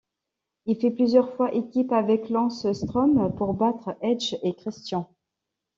Il fait plusieurs fois équipe avec Lance Storm pour battre Edge & Christian.